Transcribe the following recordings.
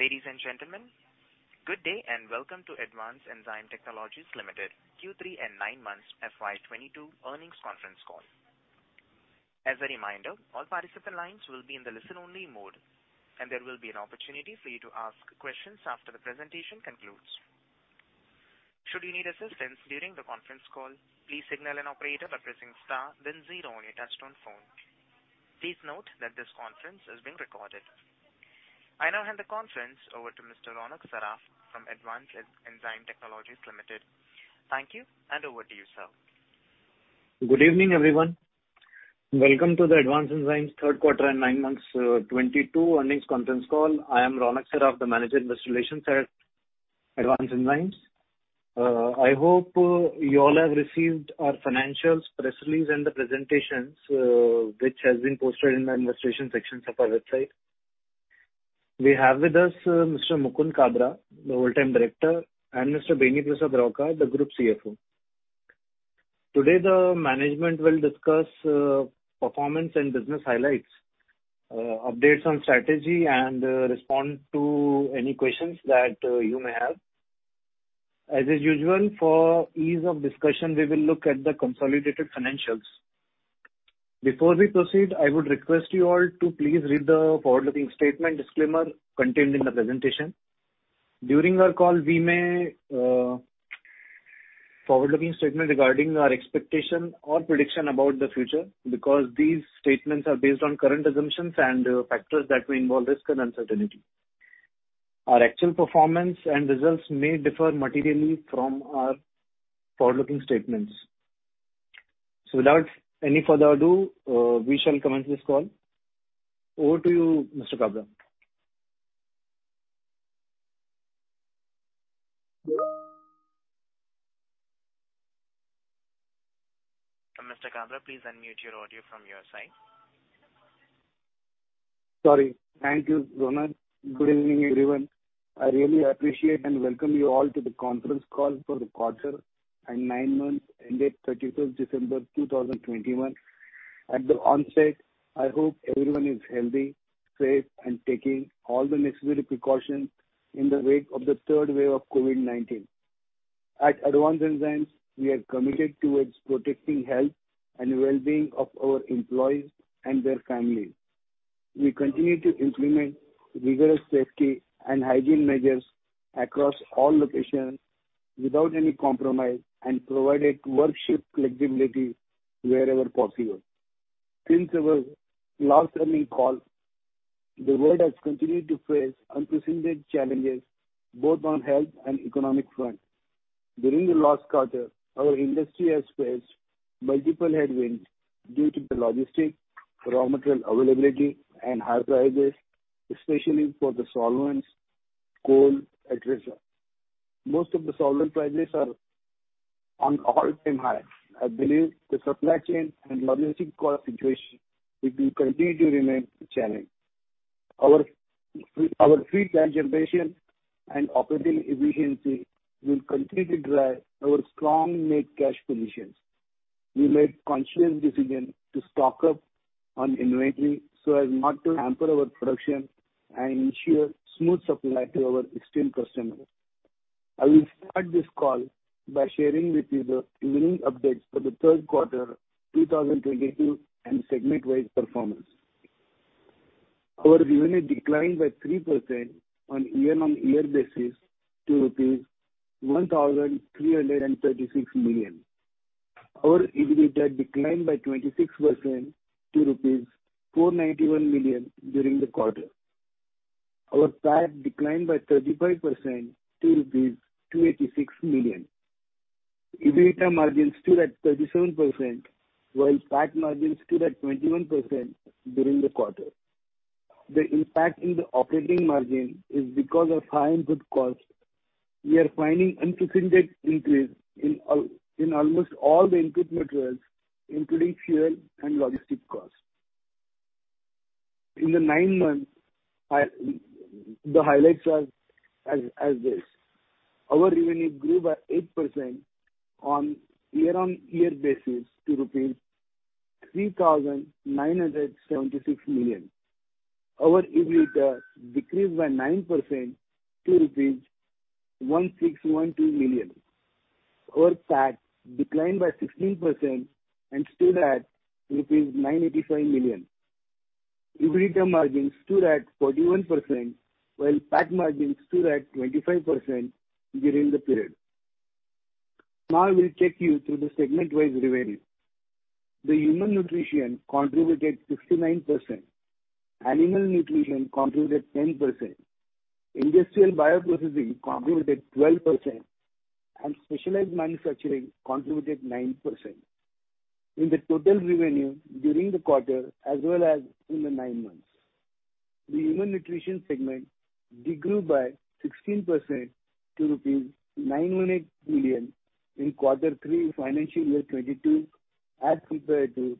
Ladies and gentlemen, good day and welcome to Advanced Enzyme Technologies Limited Q3 and nine months FY 2022 earnings conference call. As a reminder, all participant lines will be in the listen-only mode, and there will be an opportunity for you to ask questions after the presentation concludes. Should you need assistance during the conference call, please signal an operator by pressing star then zero on your touchtone phone. Please note that this conference is being recorded. I now hand the conference over to Mr. Ronak Saraf from Advanced Enzyme Technologies Limited. Thank you, and over to you, sir. Good evening, everyone. Welcome to the Advanced Enzymes third quarter and nine months 2022 earnings conference call. I am Ronak Saraf, the Manager, Investor Relations at Advanced Enzymes. I hope you all have received our financials, press release, and the presentations, which has been posted in the investor relations sections of our website. We have with us Mr. Mukund Kabra, the Whole-time Director, and Mr. Beni Prasad Rauka, the Group CFO. Today, the management will discuss performance and business highlights, updates on strategy, and respond to any questions that you may have. As is usual, for ease of discussion, we will look at the consolidated financials. Before we proceed, I would request you all to please read the forward-looking statement disclaimer contained in the presentation. During our call, we may make forward-looking statements regarding our expectations or predictions about the future because these statements are based on current assumptions and factors that may involve risk and uncertainty. Our actual performance and results may differ materially from our forward-looking statements. Without any further ado, we shall commence this call. Over to you, Mr. Kabra, please unmute your audio from your side. Sorry. Thank you, Ronak. Good evening, everyone. I really appreciate and welcome you all to the conference call for the quarter and nine months ended 31st December 2021. At the onset, I hope everyone is healthy, safe, and taking all the necessary precautions in the wake of the third wave of COVID-19. At Advanced Enzymes, we are committed towards protecting health and wellbeing of our employees and their families. We continue to implement rigorous safety and hygiene measures across all locations without any compromise and provide work shift flexibility wherever possible. Since our last earnings call, the world has continued to face unprecedented challenges both on health and economic fronts. During the last quarter, our industry has faced multiple headwinds due to the logistics, raw material availability, and high prices, especially for the solvents, coal, etc. Most of the solvent prices are on all-time high. I believe the supply chain and logistic cost situation will be continued to remain a challenge. Our free cash generation and operating efficiency will continue to drive our strong net cash positions. We made conscious decision to stock up on inventory so as not to hamper our production and ensure smooth supply to our esteemed customers. I will start this call by sharing with you the earnings updates for the third quarter 2022 and segment-wide performance. Our revenue declined by 3% on year-on-year basis to rupees 1,336 million. Our EBITDA declined by 26% to rupees 491 million during the quarter. Our PAT declined by 35% to rupees 286 million. EBITDA margin stood at 37% while PAT margin stood at 21% during the quarter. The impact in the operating margin is because of high input cost. We are finding unprecedented increase in almost all the input materials, including fuel and logistic costs. In the nine months, the highlights are this: Our revenue grew by 8% on year-on-year basis to rupees 3,976 million. Our EBITDA decreased by 9% to rupees 1,612 million. Our PAT declined by 16% and stood at rupees 985 million. EBITDA margin stood at 41% while PAT margin stood at 25% during the period. Now I will take you through the segment-wise revenue. Human Nutrition contributed 69%, Animal Nutrition contributed 10%, Industrial Bioprocessing contributed 12%, and Specialized Manufacturing contributed 9%. In the total revenue during the quarter as well as in the nine months, the Human Nutrition segment degrew by 16% to rupees 900 million in Q3 FY 2022 as compared to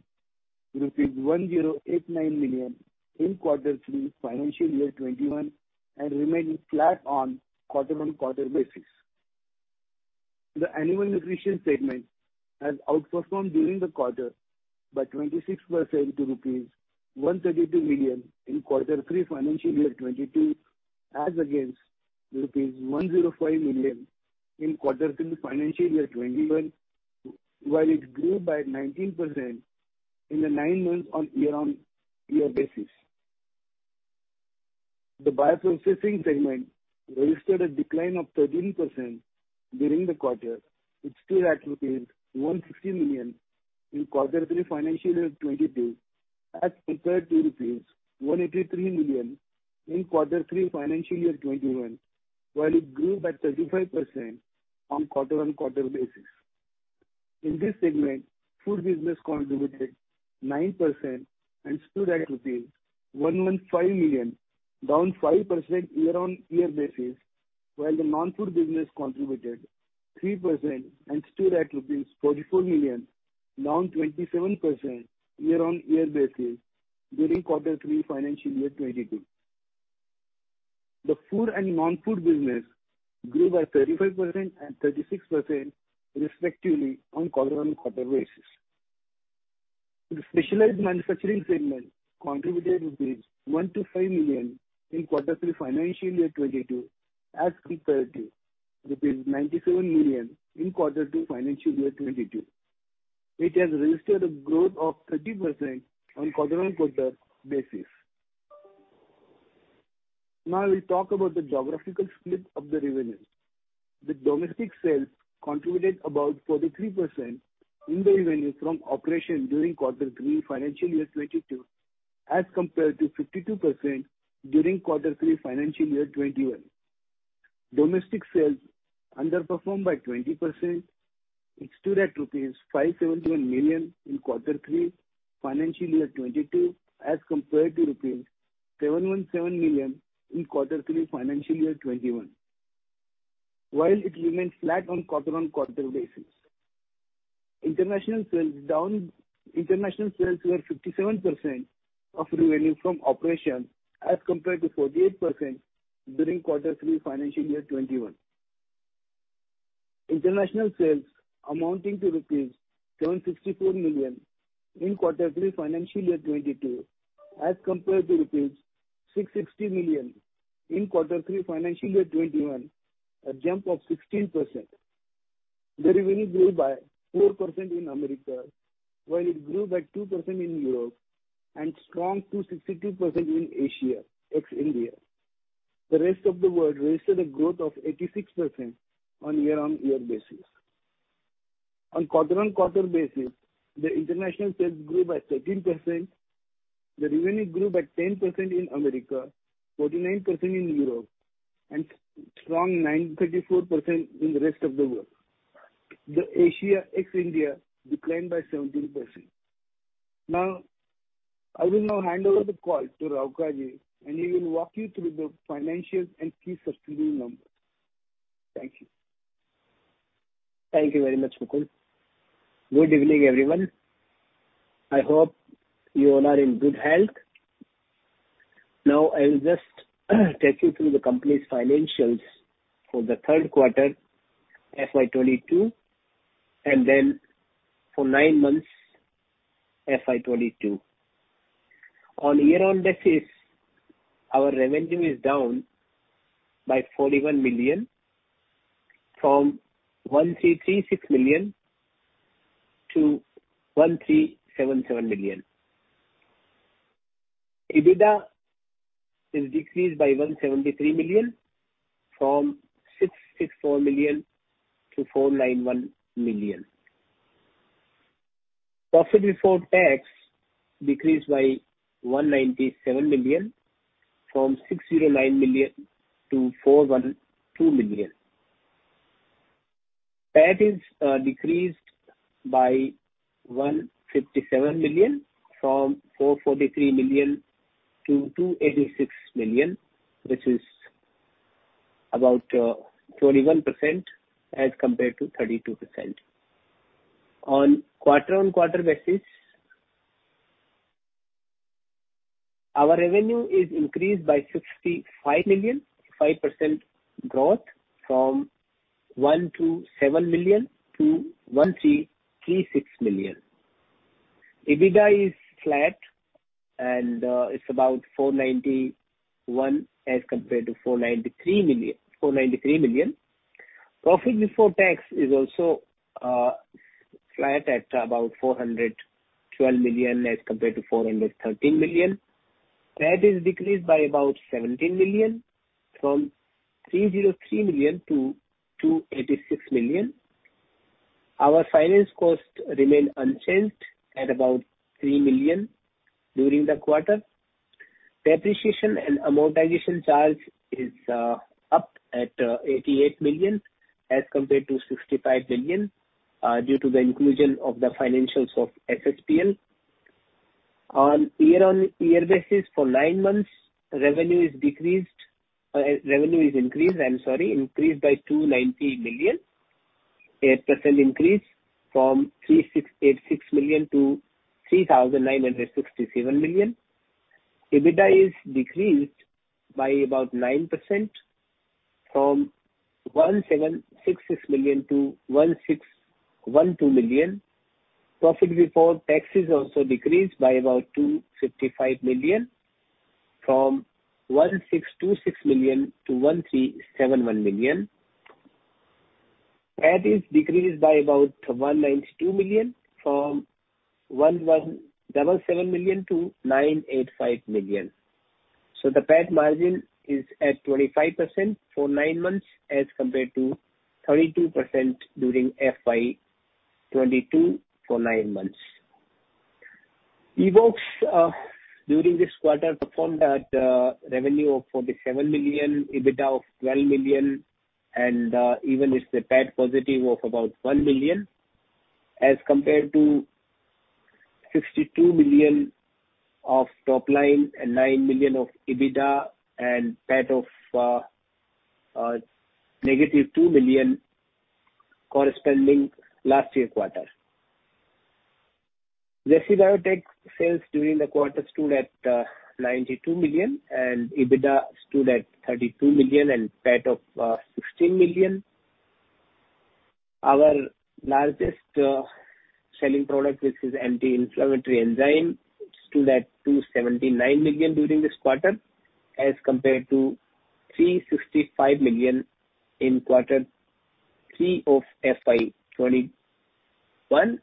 rupees 1,089 million in Q3 FY 2021 and remaining flat on quarter-over-quarter basis. The Animal Nutrition segment has outperformed during the quarter by 26% to rupees 132 million in Q3 FY 2022, as against INR 105 million in Q3 FY 2021, while it grew by 19% in the nine months on year-over-year basis. The Bioprocessing segment registered a decline of 13% during the quarter. It stood at rupees 150 million in quarter three FY 2022 as compared to rupees 183 million in quarter three FY 2021, while it grew by 35% on quarter-on-quarter basis. In this segment, food business contributed 9% and stood at rupees 115 million, down 5% year-on-year basis, while the non-food business contributed 3% and stood at 44 million, down 27% year-on-year basis during quarter three FY 2022. The food and non-food business grew by 35% and 36% respectively on quarter-on-quarter basis. The specialized manufacturing segment contributed rupees 125 million in quarter three FY 2022 as compared to rupees 97 million in quarter two FY 2022. It has registered a growth of 30% on quarter-on-quarter basis. Now we talk about the geographical split of the revenue. The domestic sales contributed about 43% in the revenue from operation during Q3 FY 2022 as compared to 52% during Q3 FY 2021. Domestic sales underperformed by 20%. It stood at rupees 571 million in Q3 FY 2022 as compared to INR 717 million in Q3 FY 2021, while it remains flat on quarter-on-quarter basis. International sales were 57% of revenue from operation as compared to 48% during Q3 FY 2021. International sales amounting to rupees 764 million in Q3 FY 2022 as compared to rupees 660 million in Q3 FY 2021, a jump of 16%. The revenue grew by 4% in America, while it grew by 2% in Europe and strong 262% in Asia, ex-India. The rest of the world registered a growth of 86% on year-on-year basis. On quarter-on-quarter basis, the international sales grew by 13%. The revenue grew by 10% in America, 49% in Europe and strong 934% in the rest of the world. The Asia ex-India declined by 17%. I will now hand over the call to Rauka ji, and he will walk you through the financial and key subsidiary numbers. Thank you. Thank you very much, Mukund Kabra. Good evening, everyone. I hope you all are in good health. Now, I will just take you through the company's financials for the third quarter FY 2022 and then for nine months FY 2022. On year-on-year basis, our revenue is down by 41 million from 1,377 million to 1,336 million. EBITDA is decreased by 173 million from 664 million to 491 million. Profit before tax decreased by 197 million from 609 million to 412 million. Debt is decreased by 157 million from 443 million to 286 million, which is about 21% as compared to 32%. On a quarter-on-quarter basis, our revenue is increased by 65 million, 5% growth from 1,270 million to 1,336 million. EBITDA is flat and it's about 491 million as compared to 493 million. Profit before tax is also flat at about 412 million as compared to 413 million. Debt is decreased by about 17 million from 303 million to 286 million. Our finance costs remain unchanged at about 3 million during the quarter. Depreciation and amortization charge is up at 88 million as compared to 65 million due to the inclusion of the financials of SSPL. On a year-on-year basis for nine months, revenue is increased, I'm sorry, increased by 290 million, 8% increase from 3,686 million to 3,967 million. EBITDA is decreased by about 9% from 1,766 million to 1,612 million. Profit before taxes also decreased by about 255 million from 1,626 million to 1,371 million. PAT is decreased by about 192 million from 1,177 million to 985 million. The PAT margin is at 25% for nine months as compared to 32% during FY 2022 for nine months. evoxx technologies GmbH during this quarter performed at revenue of 47 million, EBITDA of 12 million and even it's a PAT positive of about 1 million as compared to 62 million of top line and 9 million of EBITDA and PAT of negative 2 million corresponding last year quarter. JC Biotech sales during the quarter stood at 92 million and EBITDA stood at 32 million and PAT of 16 million. Our largest selling product, which is anti-inflammatory enzyme, stood at 279 million during this quarter as compared to 365 million in Q3 of FY 2021.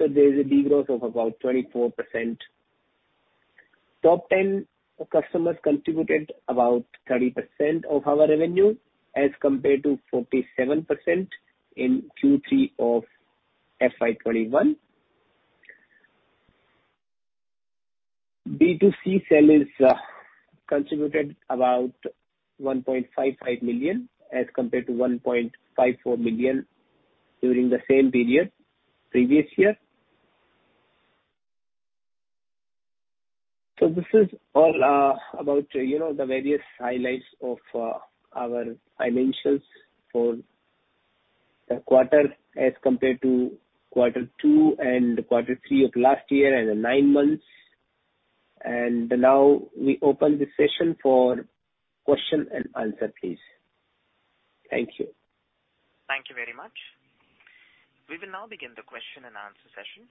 There is a de-growth of about 24%. Top 10 customers contributed about 30% of our revenue as compared to 47% in Q3 of FY 2021. B2C sale is contributed about 1.55 million as compared to 1.54 million during the same period previous year. This is all, about, you know, the various highlights of our financials for the quarter as compared to quarter two and quarter three of last year and the nine months. Now we open the session for question and answer, please. Thank you. Thank you very much. We will now begin the question and answer session.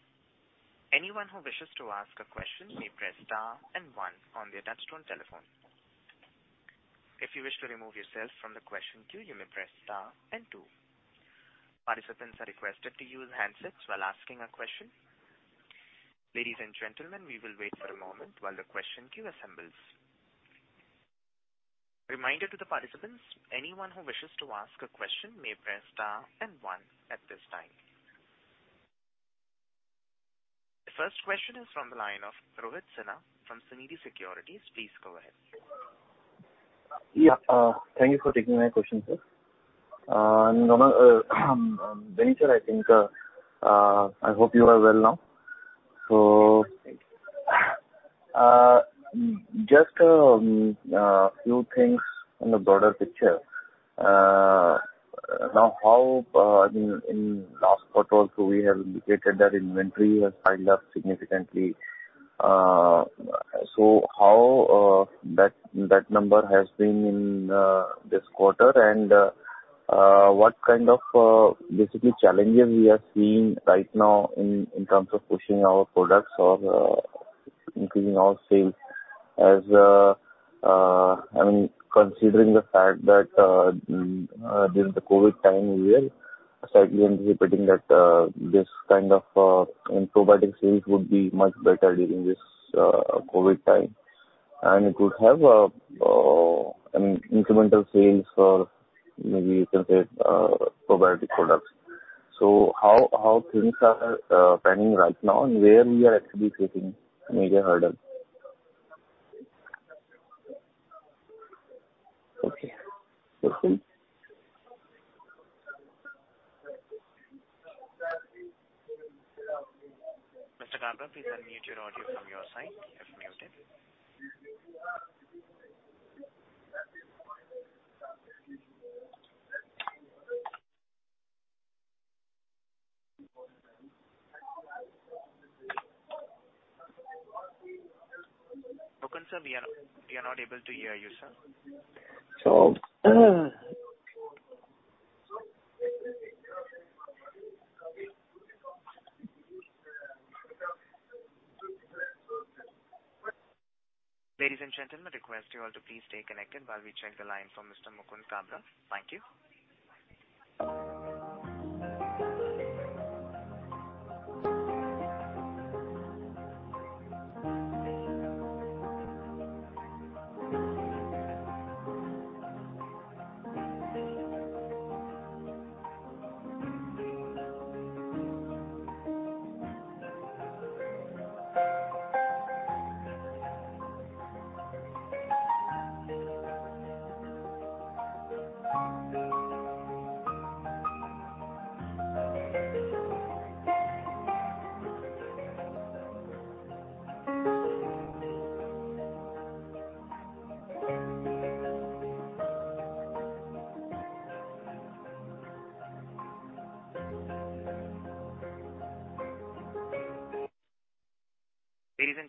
Anyone who wishes to ask a question may press star and one on your touchtone telephone. If you wish to remove yourself from the question queue you may press star and two. Participants are requested to use handsets while asking a question. Ladies and gentlemen we will wait a moment while the question queue assembles. Reminder to the participants, anyone who wishes to ask a question may press star and one at this time. The first question is from the line of Rohit Sinha from Sunidhi Securities. Please go ahead. Yeah, thank you for taking my question, sir. Namaskar, Beni sir, I think. I hope you are well now. Just few things on the broader picture. Now how, I mean, in last quarter also we have indicated that inventory has piled up significantly. How that number has been in this quarter and what kind of basically challenges we are seeing right now in terms of pushing our products or increasing our sales as, I mean, considering the fact that during the COVID time, we were slightly anticipating that this kind of probiotic sales would be much better during this COVID time, and it would have an incremental sales for maybe you can say probiotic products. How things are panning right now and where we are actually facing major hurdles? Okay. Mukund? Mr. Kabra, please unmute your audio from your side if muted. Mukund, sir, we are not able to hear you, sir. So Ladies and gentlemen, I request you all to please stay connected while we check the line for Mr. Mukund Kabra. Thank you.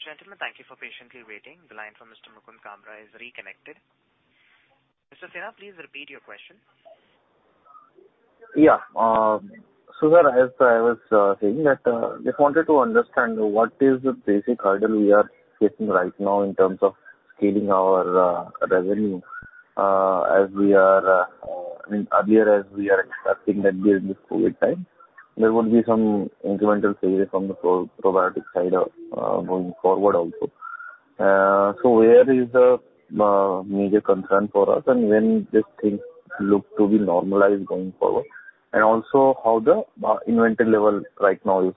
Ladies and gentlemen, thank you for patiently waiting. The line from Mr. Mukund Kabra is reconnected. Mr. Sinha, please repeat your question. Yeah. As I was saying that, just wanted to understand what is the basic hurdle we are facing right now in terms of scaling our revenue, as we are, I mean, earlier as we are expecting that during this COVID time, there would be some incremental sales from the probiotic side going forward also. Where is the major concern for us and when these things look to be normalized going forward? Also how the inventory level right now is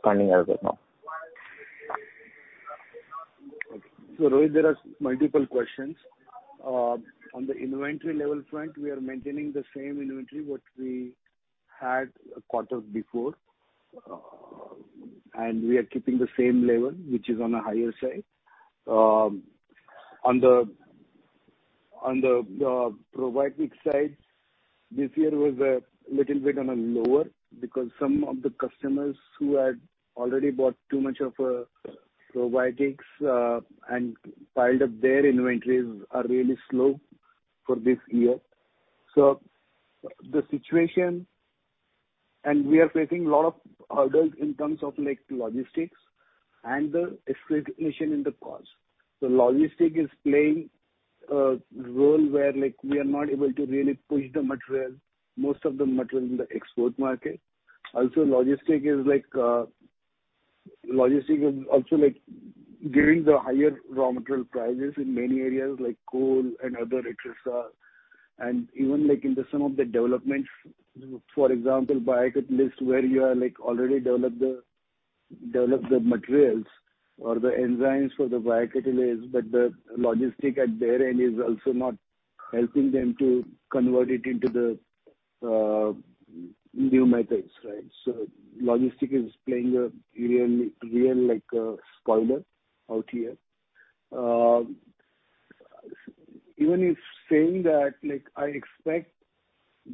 standing as of now. Rohit, there are multiple questions. On the inventory level front, we are maintaining the same inventory what we had quarter before. We are keeping the same level, which is on a higher side. On the probiotic side, this year was a little bit on a lower because some of the customers who had already bought too much of probiotics and piled up their inventories are really slow for this year. The situation we are facing a lot of hurdles in terms of like logistics and the escalation in the cost. Logistics is playing a role where, like, we are not able to really push the material, most of the material in the export market. Logistics is also like giving higher raw material prices in many areas like coal and other et cetera. Even like in some of the developments, for example, biocatalyst, where you are like already developed the materials or the enzymes for the biocatalyst, but the logistics at their end is also not helping them to convert it into the new methods, right? Logistics is playing a real like spoiler out here. Even if saying that, like, I expect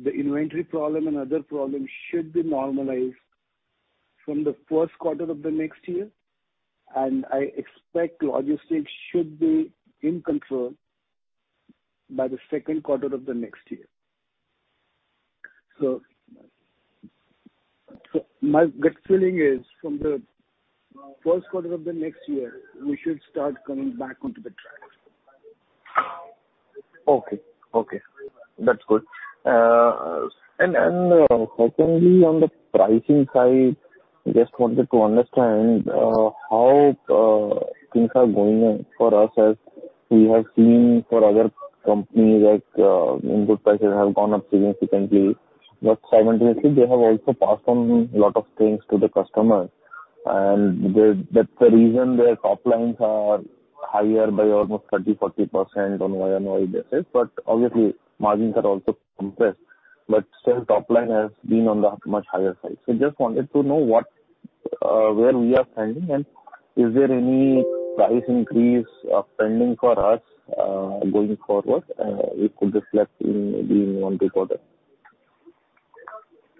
the inventory problem and other problems should be normalized from the first quarter of the next year, and I expect logistics should be in control by the second quarter of the next year. My gut feeling is from the first quarter of the next year, we should start coming back onto the track. Okay. That's good. Secondly, on the pricing side, just wanted to understand how things are going for us as we have seen for other companies like input prices have gone up significantly, but simultaneously they have also passed on lot of things to the customer. That's the reason their top lines are higher by almost 30%-40% on year-over-year basis. Obviously margins are also compressed. Still top line has been on the much higher side. Just wanted to know where we are standing and is there any price increase pending for us going forward it could reflect in one quarter.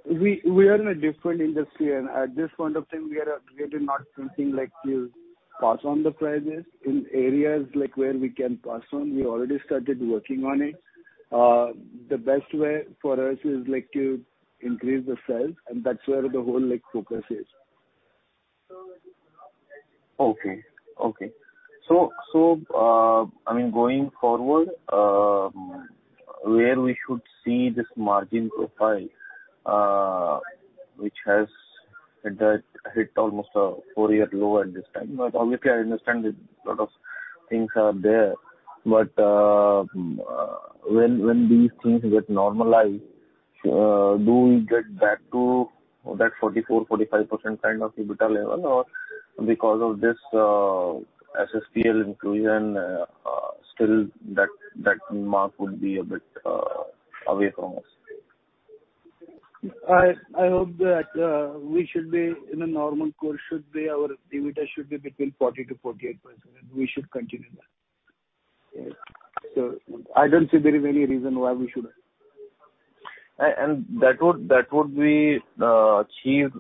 We are in a different industry and at this point of time we are not thinking like to pass on the prices. In areas like where we can pass on, we already started working on it. The best way for us is like to increase the sales and that's where the whole like focus is. Okay. I mean, going forward, where we should see this margin profile, which has hit almost a four-year low at this time. Obviously I understand that a lot of things are there. When these things get normalized, do we get back to that 44-45% kind of EBITDA level? Because of this SSPL inclusion, still that mark would be a bit away from us? I hope that we should be in a normal course. Our EBITDA should be between 40%-48%. We should continue that. Yes. I don't see there is any reason why we shouldn't. That would be achieved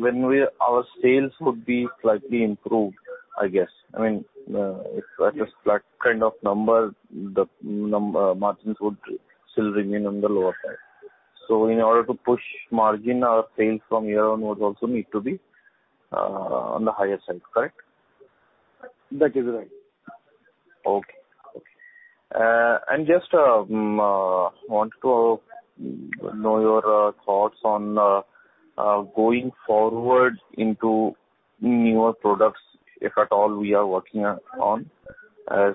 when our sales would be slightly improved, I guess. I mean, if at a flat kind of number, the margins would still remain on the lower side. In order to push margin, our sales from year on would also need to be on the higher side, correct? That is right. Okay. Just want to know your thoughts on going forward into newer products, if at all we are working on. I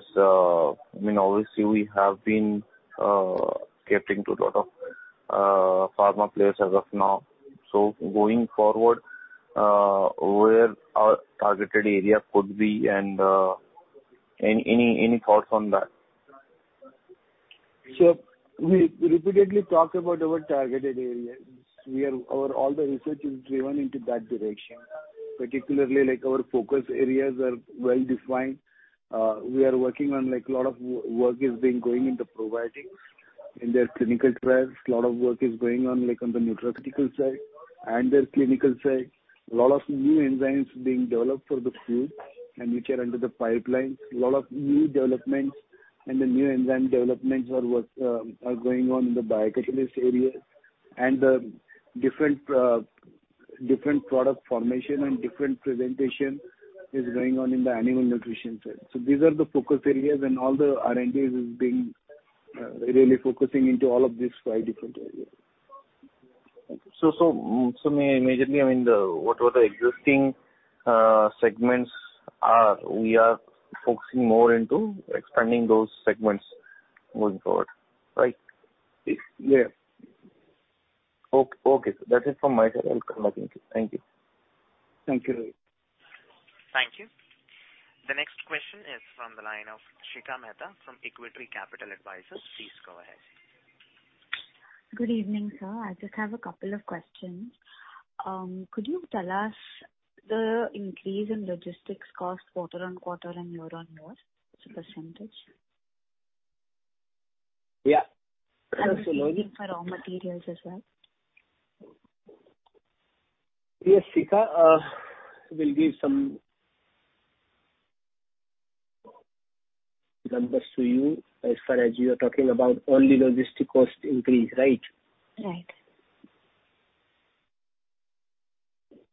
mean, obviously we have been catering to a lot of pharma players as of now. Going forward, where our targeted area could be and any thoughts on that? We repeatedly talk about our targeted areas. Our all the research is driven into that direction. Particularly like our focus areas are well defined. We are working on like a lot of work is being going in the probiotics, in their clinical trials. A lot of work is going on like on the nutraceutical side and their clinical side. A lot of new enzymes being developed for the food and which are in the pipeline. A lot of new developments and the new enzyme developments are what are going on in the biocatalyst areas. The different product formation and different presentation is going on in the animal nutrition side. These are the focus areas and all the R&D is being really focusing into all of these five different areas. Majorly, I mean, the existing segments we are focusing more into expanding those segments going forward, right? Yes. Okay. That is from my side. I'll come back to you. Thank you. Thank you. Thank you. The next question is from the line of Shikha Mehta from Equity Capital Advisors. Please go ahead. Good evening, sir. I just have a couple of questions. Could you tell us the increase in logistics cost quarter-on-quarter and year-on-year as a percentage? Yeah. Same for raw materials as well. Yes, Shikha, will give some numbers to you as far as you are talking about only logistics cost increase, right? Right.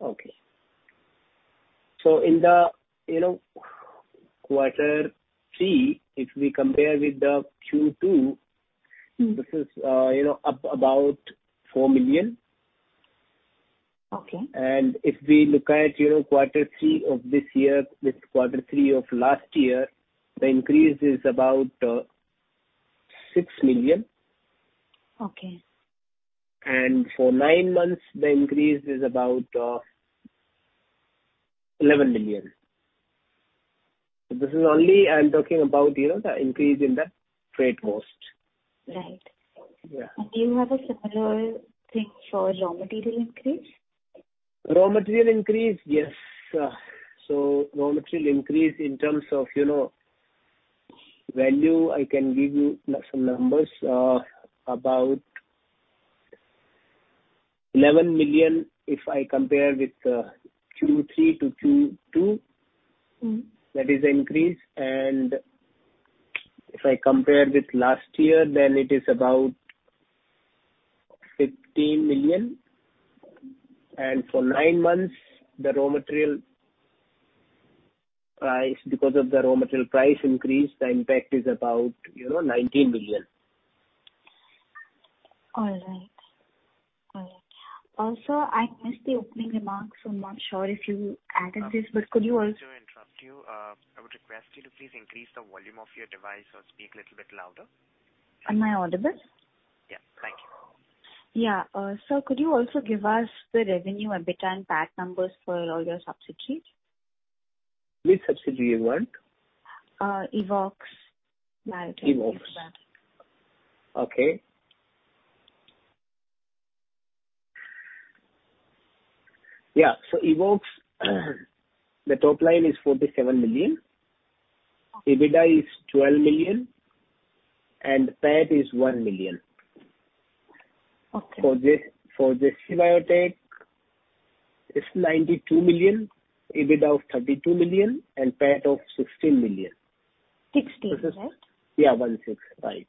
Okay. In the, you know, quarter three, if we compare with the Q two- Mm. This is, you know, up about 4 million. Okay. If we look at, you know, quarter three of this year with quarter three of last year, the increase is about 6 million. Okay. For nine months, the increase is about 11 million. This is only I'm talking about, you know, the increase in the freight cost. Right. Yeah. Do you have a similar thing for raw material increase? Raw material increase, yes. Raw material increase in terms of, you know, value. I can give you some numbers. About 11 million if I compare with Q3 to Q2. Mm. That is the increase. If I compare with last year, then it is about 15 million. For nine months the raw material price, because of the raw material price increase, the impact is about, you know, 19 million. All right. Also, I missed the opening remarks, so I'm not sure if you added this, but could you also? Sorry to interrupt you. I would request you to please increase the volume of your device or speak little bit louder. Am I audible? Yeah. Thank you. Yeah. Sir, could you also give us the revenue, EBITDA and PAT numbers for all your subsidiaries? Which subsidy you want? evoxx. evoxx. Okay. Yeah. evoxx, the top line is 47 million. Okay. EBITDA is 12 million, and PAT is 1 million. Okay. For JC Biotech, it's 92 million, EBITDA of 32 million and PAT of 16 million. 16, right? Yeah. 16. Right.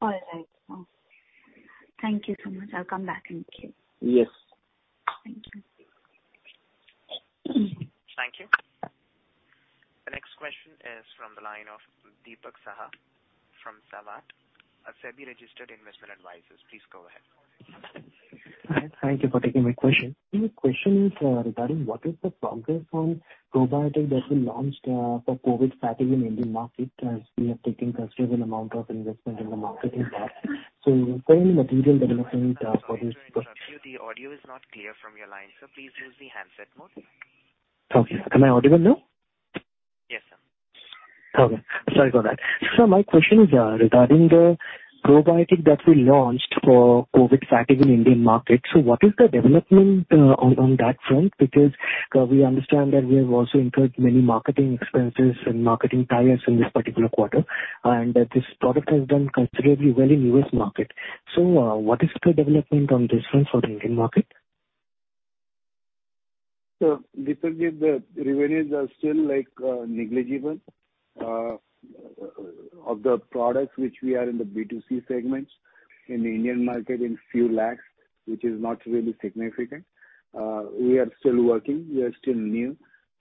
All right. Thank you so much. I'll come back and check. Yes. Thank you. Thank you. The next question is from the line of Deepak Saha from Savant, a SEBI registered investment advisors. Please go ahead. Hi. Thank you for taking my question. My question is regarding what is the progress on probiotic that we launched for COVID fatigue in Indian market, as we have taken considerable amount of investment in the market in that. Currently material development for this- Sorry to interrupt you. The audio is not clear from your line. Sir, please use the handset mode. Okay. Am I audible now? Yes, sir. Okay. Sorry about that. My question is regarding the probiotic that we launched for COVID fatigue in Indian market. What is the development on that front? Because we understand that we have also incurred many marketing expenses and marketing trials in this particular quarter, and this product has done considerably well in U.S. market. What is the development on this front for the Indian market? Deepak, the revenues are still like negligible. Of the products which we are in the B2C segments in the Indian market in a few lakh INR, which is not really significant. We are still working, we are still new.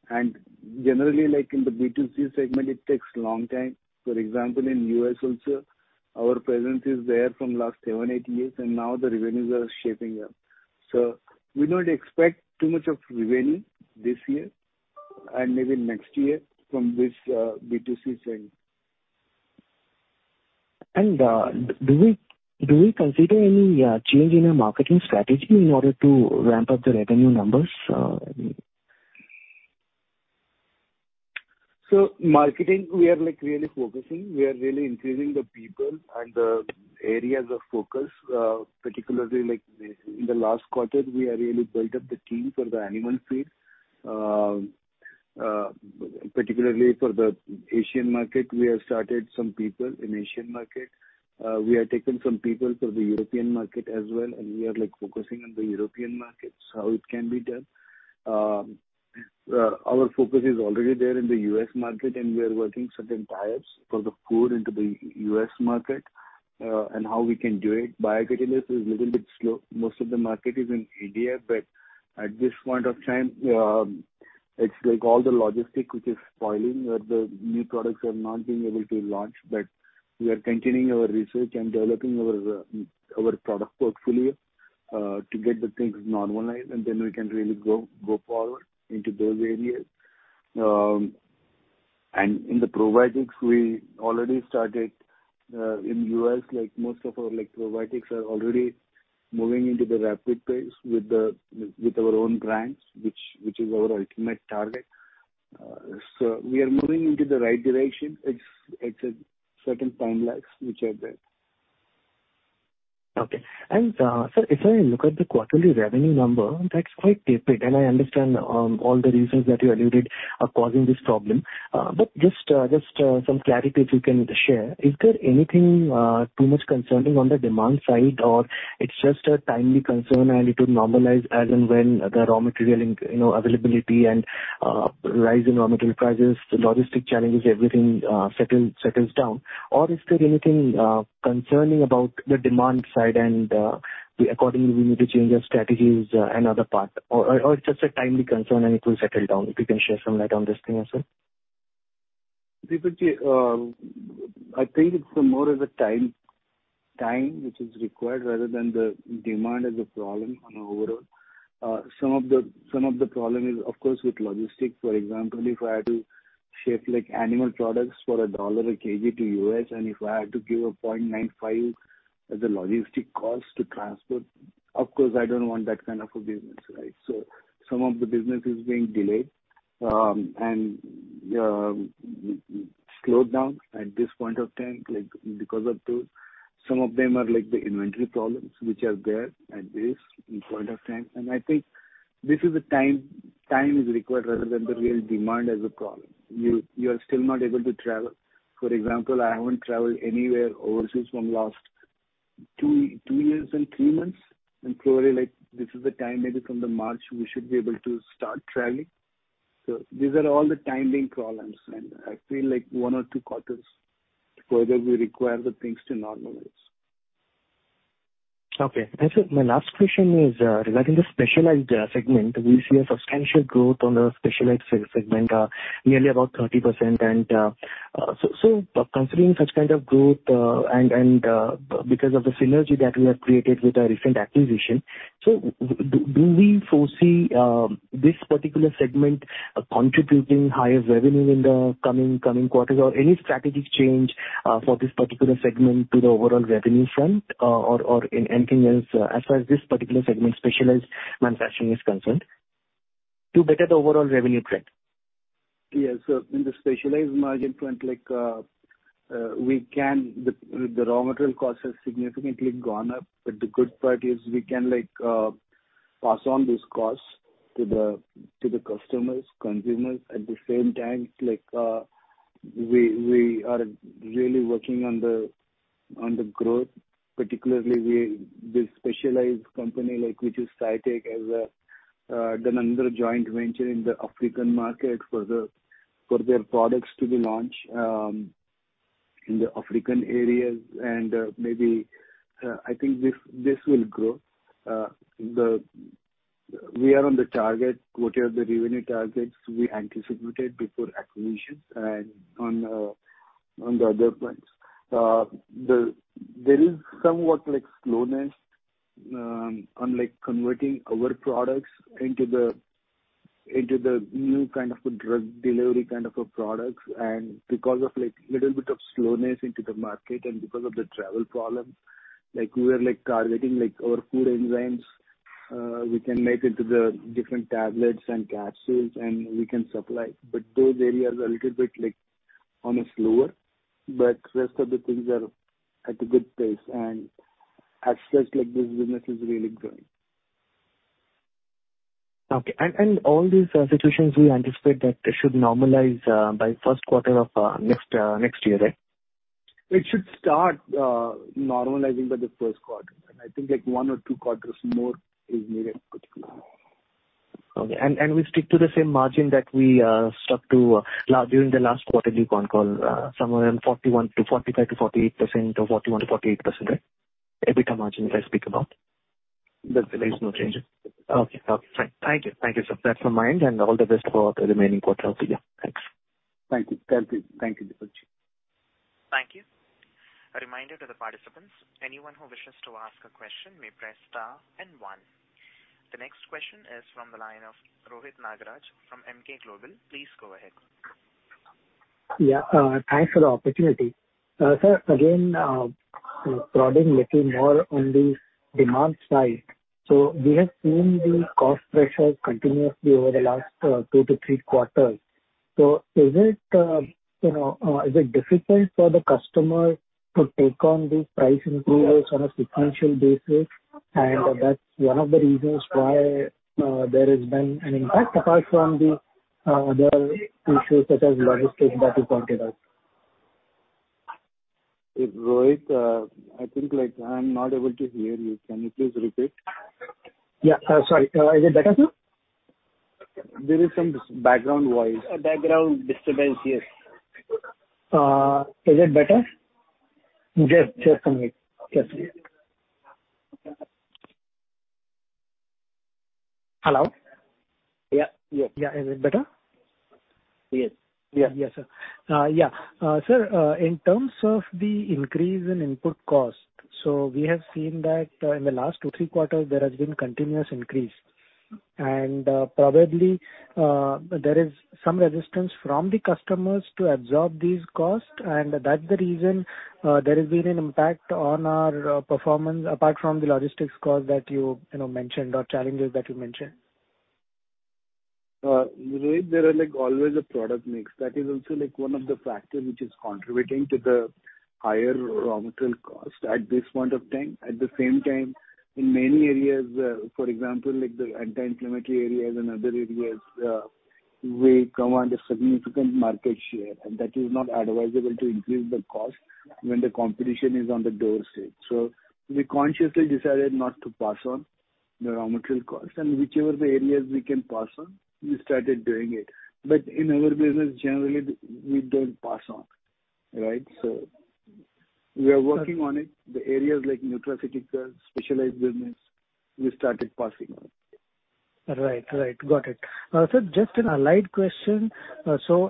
Generally like in the B2C segment it takes long time. For example, in U.S. also our presence is there from last seven toeight years and now the revenues are shaping up. We don't expect too much of revenue this year and maybe next year from this B2C segment. Do we consider any change in our marketing strategy in order to ramp up the revenue numbers in- Marketing, we are like really focusing. We are really increasing the people and the areas of focus. Particularly like the, in the last quarter, we are really built up the team for the animal feed. Particularly for the Asian market, we have started some people in Asian market. We have taken some people from the European market as well, and we are like focusing on the European markets, how it can be done. Our focus is already there in the U.S. market and we are working certain types for the food into the U.S. market, and how we can do it. Biocatalysts is little bit slow. Most of the market is in India, but at this point of time, it's like all the logistics which is spoiling where the new products are not being able to launch. We are continuing our research and developing our product portfolio to get the things normalized and then we can really go forward into those areas. In the probiotics we already started in U.S. like most of our probiotics are already moving into the rapid pace with our own brands, which is our ultimate target. We are moving into the right direction. It's a certain time lags which are there. Okay. Sir, if I look at the quarterly revenue number, that's quite tepid, and I understand all the reasons that you alluded are causing this problem. Just some clarity if you can share. Is there anything too much concerning on the demand side or it's just a timely concern and it will normalize as and when the raw material, you know, availability and rise in raw material prices, the logistics challenges, everything settles down? Is there anything concerning about the demand side and we accordingly need to change our strategies and other part or it's just a timely concern and it will settle down? If you can shed some light on this thing also. Deepak, I think it's more of a time which is required rather than the demand as a problem overall. Some of the problem is of course with logistics. For example, if I had to ship like animal products for $1/kg to the U.S., and if I had to give $0.95 as a logistics cost to transport, of course I don't want that kind of a business, right? Some of the business is being delayed and slowed down at this point of time, like because of those. Some of them are like the inventory problems which are there at this point of time. I think this is the time which is required rather than the real demand as a problem. You are still not able to travel. For example, I haven't traveled anywhere overseas from last two years and threone months, and probably like this is the time maybe from March we should be able to start traveling. These are all the timing problems and I feel like one or two quarters further we require the things to normalize. Okay. Sir, my last question is regarding the specialized segment. We see substantial growth in the specialized segment nearly about 30%. Considering such kind of growth and because of the synergy that you have created with the recent acquisition, do we foresee this particular segment contributing higher revenue in the coming quarters or any strategic change for this particular segment to the overall revenue front or anything else as far as this particular segment specialized manufacturing is concerned to better the overall revenue trend? Yes. In the specialized margin front, like, the raw material cost has significantly gone up, but the good part is we can like pass on this cost to the customers, consumers. At the same time, like, we are really working on the growth, particularly this specialized company like which is SciTech has done another joint venture in the African market for their products to be launched in the African areas and maybe I think this will grow. We are on the target, quarter of the revenue targets we anticipated before acquisition and on the other fronts. There is somewhat like slowness on like converting our products into the new kind of a drug delivery kind of a products and because of like little bit of slowness into the market and because of the travel problem. Like we are like targeting like our food enzymes, we can make into the different tablets and capsules and we can supply. Those areas are little bit like on a slower, but rest of the things are at a good pace and as such like this business is really growing. Okay. All these situations we anticipate that they should normalize by first quarter of next year, right? It should start normalizing by the first quarter. I think like one or two quarters more is needed particularly. We stick to the same margin that we stuck to during the last quarterly con call, somewhere in 41%-45% to 48% or 41%-48%, right? EBITDA margin if I speak about. There is no change. Okay, fine. Thank you, sir. That's all from my end and all the best for the remaining quarter of the year. Thanks. Thank you, Deepak. Thank you. A reminder to the participants, anyone who wishes to ask a question may press star then one. The next question is from the line of Rohit Nagaraj from Emkay Global. Please go ahead. Yeah, thanks for the opportunity. Sir, again, probably looking more on the demand side. We have seen the cost pressures continuously over the last two to three quarters. Is it, you know, difficult for the customer to take on these price increases on a sequential basis, and that's one of the reasons why there has been an impact apart from the other issues such as logistics that you pointed out? Rohit, I think, like, I'm not able to hear you. Can you please repeat? Yeah. Sorry. Is it better, sir? There is some background noise. A background disturbance, yes. Is it better? Yes. Yes, coming. Yes. Hello. Yeah. Yes. Yeah. Is it better? Yes. Yeah. Yes, sir. In terms of the increase in input cost, we have seen that in the last two, three quarters there has been continuous increase. Probably, there is some resistance from the customers to absorb these costs, and that's the reason there has been an impact on our performance apart from the logistics cost that you know mentioned or challenges that you mentioned. Rohit, there are, like, always a product mix. That is also, like, one of the factors which is contributing to the higher raw material cost at this point of time. At the same time, in many areas, for example, like the anti-inflammatory areas and other areas, we command a significant market share, and that is not advisable to increase the cost when the competition is on the doorstep. We consciously decided not to pass on the raw material cost. Whichever areas we can pass on, we started doing it. In our business generally we don't pass on. Right? We are working on it. The areas like nutraceuticals, specialized business, we started passing on. Right. Got it. Sir, just an allied question.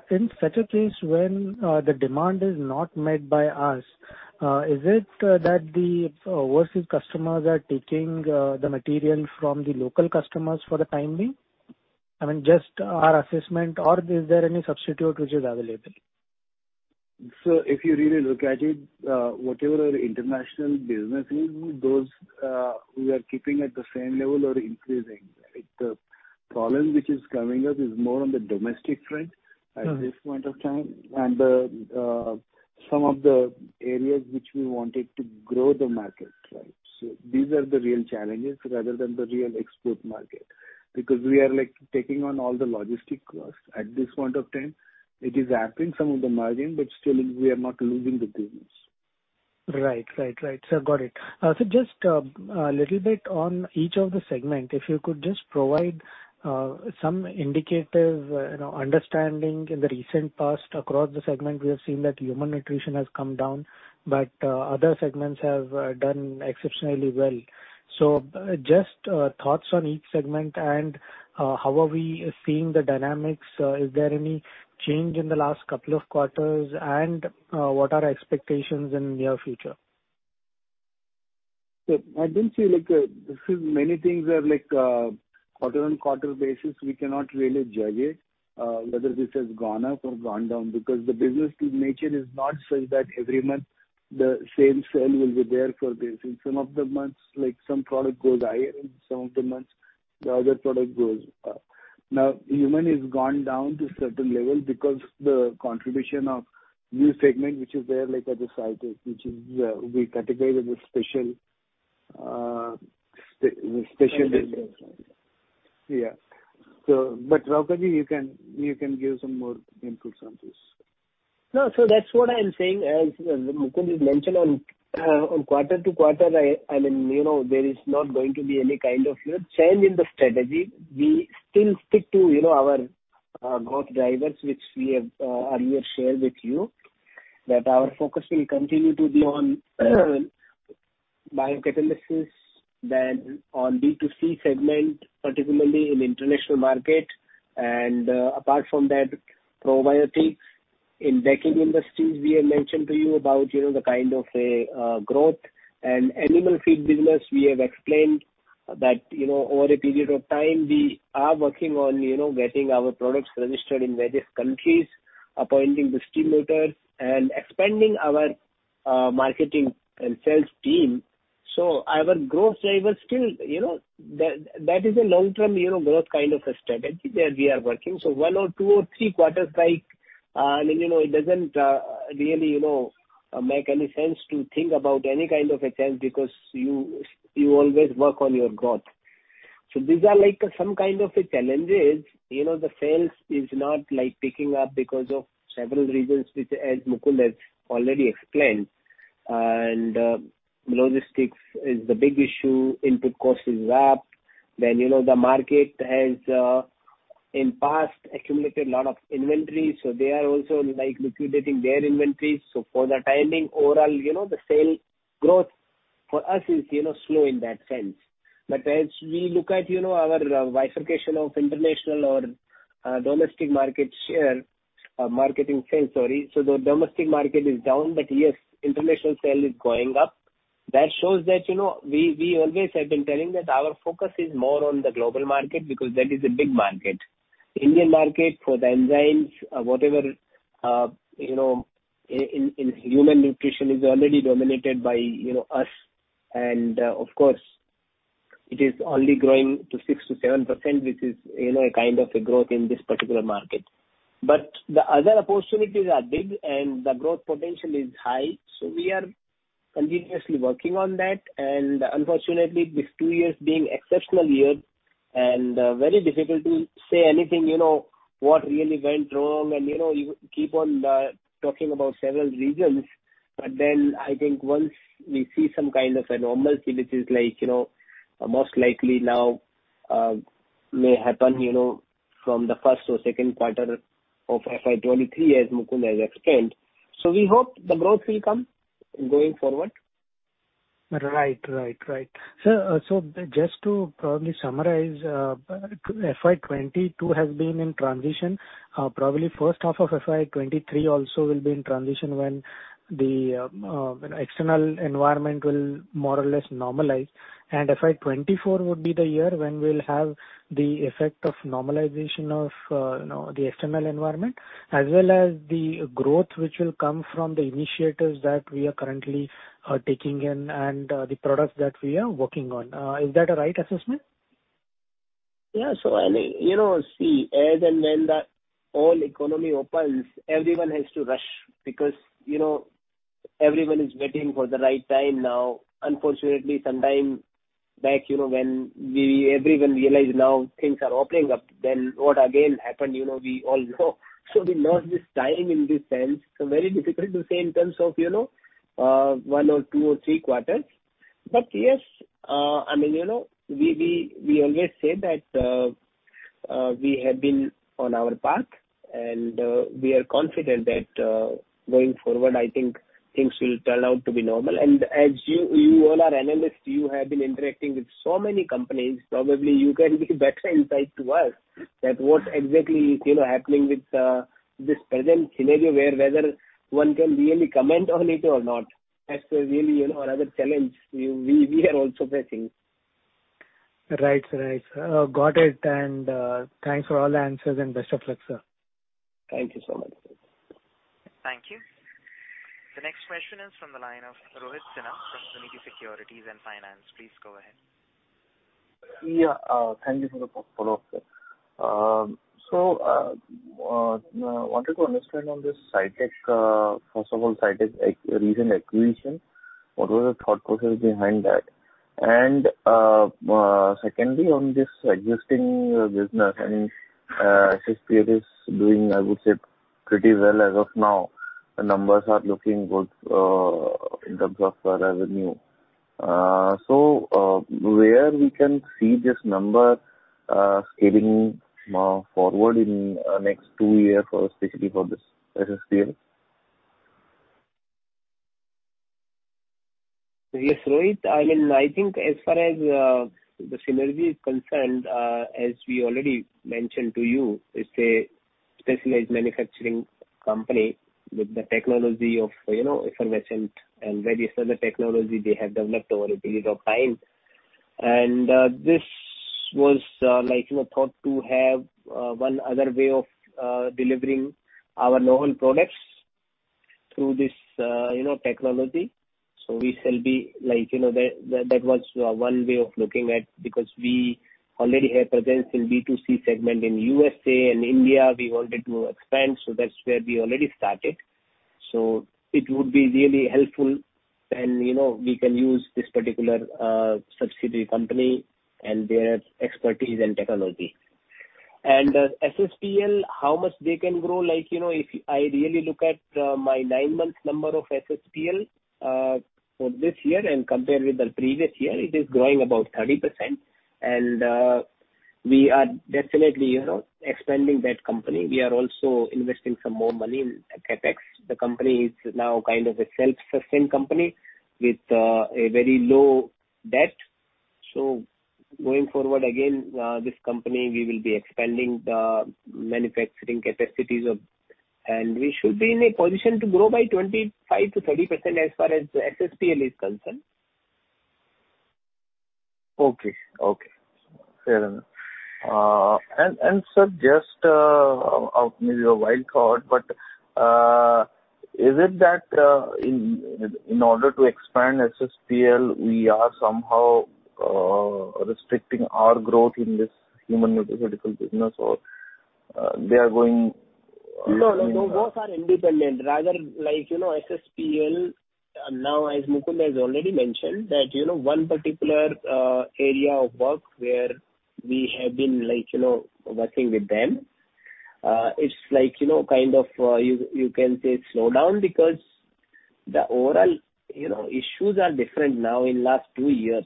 In such a case, when the demand is not met by us, is it that the overseas customers are taking the material from the local customers for the time being? I mean, just our assessment or is there any substitute which is available? If you really look at it, whatever our international business is, those, we are keeping at the same level or increasing. Right? The problem which is coming up is more on the domestic front. Mm-hmm. At this point of time and the, some of the areas which we wanted to grow the market. Right? These are the real challenges rather than the real export market. Because we are, like, taking on all the logistics costs at this point of time. It is affecting some of the margin, but still we are not losing the business. Right. Sir, got it. Just a little bit on each of the segment, if you could just provide some indicative, you know, understanding. In the recent past across the segment, we have seen that human nutrition has come down, but other segments have done exceptionally well. Just thoughts on each segment and how are we seeing the dynamics? Is there any change in the last couple of quarters? What are expectations in near future? I didn't say like, this is many things are like, quarter-on-quarter basis, we cannot really judge it, whether this has gone up or gone down because the business nature is not such that every month the same sale will be there for business. Some of the months, like, some product goes higher and some of the months the other product goes. Now, human has gone down to certain level because the contribution of new segment which is there, like I just cited, which is, we categorize as a special business. Yeah. But Rauka Ji, you can give some more inputs on this. No, sir, that's what I am saying. As Mukund has mentioned on quarter-to-quarter, I mean, you know, there is not going to be any kind of change in the strategy. We still stick to, you know, our growth drivers, which we have earlier shared with you. That our focus will continue to be on biocatalysis, then on B2C segment, particularly in international market. Apart from that, probiotics. In baking industries, we have mentioned to you about, you know, the kind of a growth. Animal feed business we have explained that, you know, over a period of time we are working on, you know, getting our products registered in various countries, appointing distributors and expanding our marketing and sales team. Our growth driver still, you know, that is a long-term, you know, growth kind of a strategy where we are working. One or two or three quarters like, I mean, you know, it doesn't really, you know, make any sense to think about any kind of a change because you always work on your growth. These are, like, some kind of a challenges. You know, the sales is not, like, picking up because of several reasons which, as Mukund has already explained. Logistics is the big issue, input cost is up. You know, the market has in past accumulated lot of inventory, so they are also, like, liquidating their inventory. For the time being overall, you know, the sale growth for us is, you know, slow in that sense. As we look at, you know, our bifurcation of international or domestic market share, marketing sales, sorry. The domestic market is down, but yes, international sale is going up. That shows that, you know, we always have been telling that our focus is more on the global market because that is a big market. Indian market for the enzymes, whatever, you know, in human nutrition is already dominated by, you know, us and, of course, it is only growing to 6%-7%, which is, you know, a kind of a growth in this particular market. The other opportunities are big, and the growth potential is high, so we are continuously working on that. Unfortunately, these two years being exceptional years and, very difficult to say anything, you know, what really went wrong and, you know, you keep on, talking about several reasons. I think once we see some kind of a normalcy, which is like, you know, most likely now, may happen, you know, from the first or second quarter of FY 2023 as Mukund has explained. We hope the growth will come going forward. Right. Sir, just to probably summarize, FY 2022 has been in transition. Probably first half of FY 2023 also will be in transition when the external environment will more or less normalize. FY 2024 would be the year when we'll have the effect of normalization of you know the external environment as well as the growth which will come from the initiatives that we are currently taking in and the products that we are working on. Is that a right assessment? Yeah. I mean, you know, see, as and when the whole economy opens, everyone has to rush because, you know, everyone is waiting for the right time now. Unfortunately, sometime back, you know, when everyone realized now things are opening up, then what again happened, you know, we all know. We lost this time in this sense. Very difficult to say in terms of, you know, one or two or three quarters. But yes, I mean, you know, we always say that, we have been on our path and we are confident that, going forward, I think things will turn out to be normal. As you all are analysts, you have been interacting with so many companies, probably you can give better insight to us that what exactly is, you know, happening with this present scenario where whether one can really comment on it or not. That's really, you know, another challenge we are also facing. Right. Got it. Thanks for all the answers and best of luck, sir. Thank you so much. Thank you. The next question is from the line of Rohit Sinha from Sunidhi Securities and Finance. Please go ahead. Yeah. Thank you for the follow-up, sir. Wanted to understand on this SciTech, first of all, SciTech recent acquisition, what was the thought process behind that? Secondly, on this existing business, I mean, SSPL is doing, I would say, pretty well as of now. The numbers are looking good, in terms of revenue. Where we can see this number scaling forward in next two year for specifically this SSPL? Yes, Rohit. I mean, I think as far as the synergy is concerned, as we already mentioned to you, it's a specialized manufacturing company with the technology of, you know, effervescent and various other technology they have developed over a period of time. This was, like, you know, thought to have one other way of delivering our normal products through this, you know, technology. We shall be like, you know, that was one way of looking at because we already have presence in B2C segment in USA and India, we wanted to expand. That's where we already started. It would be really helpful and, you know, we can use this particular subsidiary company and their expertise and technology. SSPL, how much they can grow, like, you know, if I really look at my nine-month number of SSPL for this year and compare with the previous year, it is growing about 30%. We are definitely, you know, expanding that company. We are also investing some more money in CapEx. The company is now kind of a self-sustained company with a very low debt. Going forward, again, this company we will be expanding the manufacturing capacities of and we should be in a position to grow by 25%-30% as far as SSPL is concerned. Okay. Fair enough. Sir, just maybe a wild thought, but is it that in order to expand SSPL, we are somehow restricting our growth in this human nutraceutical business or they are going- No. No. Both are independent. Rather like, you know, SSPL, now as Mukund has already mentioned that, you know, one particular area of work where we have been like, you know, working with them, it's like, you know, kind of, you can say slowdown because the overall, you know, issues are different now in last two years.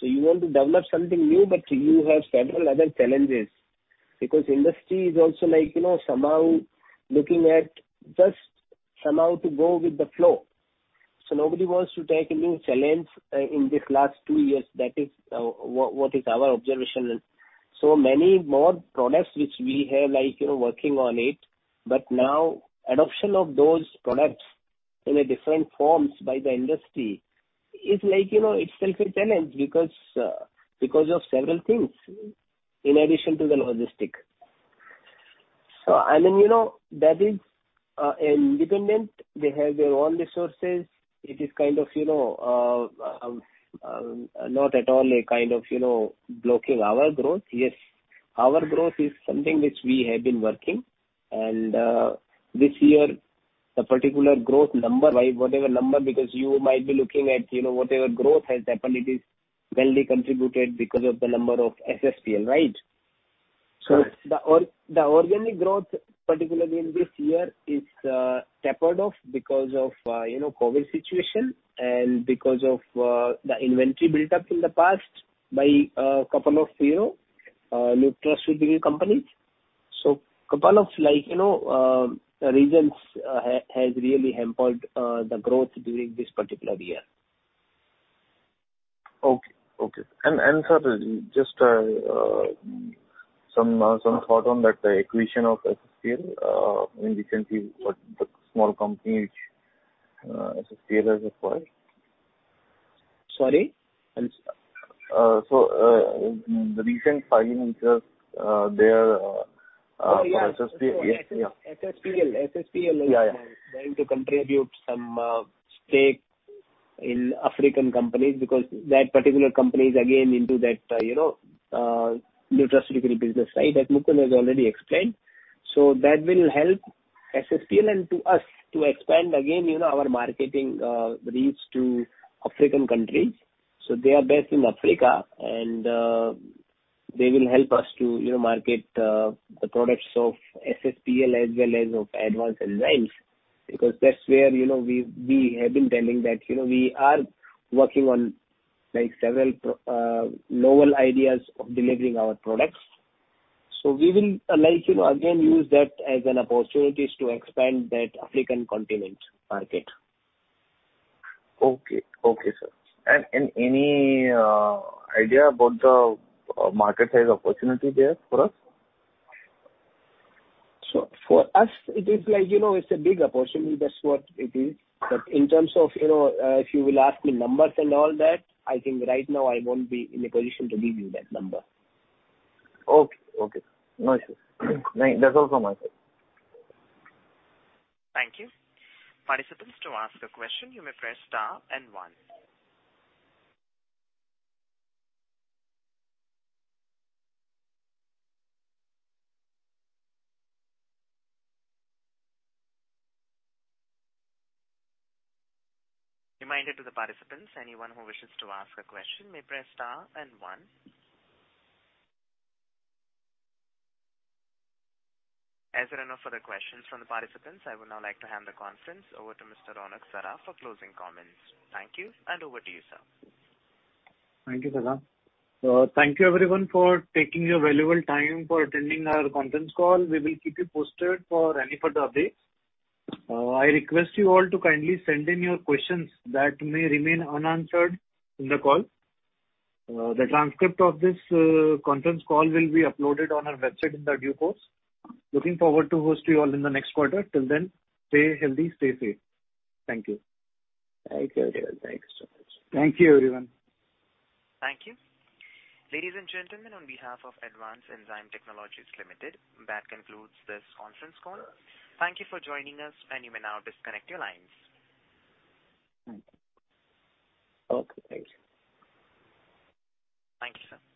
You want to develop something new, but you have several other challenges because industry is also like, you know, somehow looking at just somehow to go with the flow. Nobody wants to take a new challenge in this last two years. That is, what is our observation and so many more products which we have, like, you know, working on it, but now adoption of those products in different forms by the industry is like, you know, it's still a challenge because of several things in addition to the logistics. I mean, you know, that is independent. They have their own resources. It is kind of, you know, not at all a kind of, you know, blocking our growth. Yes, our growth is something which we have been working and, this year the particular growth number by whatever number, because you might be looking at, you know, whatever growth has happened, it is barely contributed because of the number of SSPL, right? Correct. The organic growth, particularly in this year, is tapered off because of you know, COVID situation and because of the inventory built up in the past by a couple of you know nutraceutical companies. Couple of like you know reasons has really hampered the growth during this particular year. Sir, just some thought on that acquisition of SSPL, recently what the small company which SSPL has acquired. Sorry. The recent signing which has their Oh, yeah. SSPL. Yeah. SS, SSPL. Yeah, yeah. going to contribute some stake in African companies because that particular company is again into that, you know, nutraceutical business, right? That Mukund has already explained. That will help SSPL and to us to expand again, you know, our marketing reach to African countries. They are based in Africa and they will help us to, you know, market the products of SSPL as well as of Advanced Enzymes, because that's where, you know, we have been telling that, you know, we are working on like several novel ideas of delivering our products. We will like, you know, again, use that as an opportunities to expand that African continent market. Okay. Okay, sir. Any idea about the market size opportunity there for us? For us it is like, you know, it's a big opportunity. That's what it is. In terms of, you know, if you will ask me numbers and all that, I think right now I won't be in a position to give you that number. Okay. No issues. That's all from my side. Thank you. Participants, to ask a question, you may press star and one. Reminder to the participants, anyone who wishes to ask a question may press star and one. As there are no further questions from the participants, I would now like to hand the conference over to Mr. Ronak Saraf for closing comments. Thank you, and over to you, sir. Thank you, Salam. Thank you everyone for taking your valuable time for attending our conference call. We will keep you posted for any further updates. I request you all to kindly send in your questions that may remain unanswered in the call. The transcript of this conference call will be uploaded on our website in the due course. Looking forward to host you all in the next quarter. Till then, stay healthy, stay safe. Thank you. Thank you. Thanks so much. Thank you, everyone. Thank you. Ladies and gentlemen, on behalf of Advanced Enzyme Technologies Limited, that concludes this conference call. Thank you for joining us and you may now disconnect your lines. Okay, thank you. Thank you, sir.